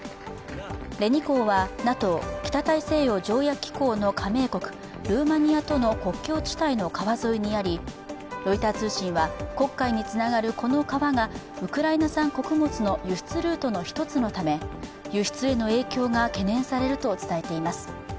レニ港はＮＡＴＯ＝北大西洋条約機構の加盟国、ルーマニアとの国境地帯の川沿いにあり、ロイター通信は黒海につながるこの川がウクライナ産穀物の輸出ルートの１つのため、輸出への影響が懸念されると伝えています。